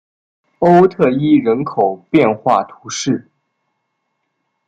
欧特伊人口变化图示